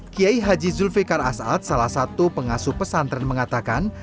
kiai haji zulfikar as'ad salah satu pengasuh pesantren mengatakan